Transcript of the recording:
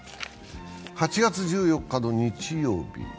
８月１４日の日曜日。